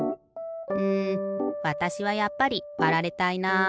うんわたしはやっぱりわられたいな。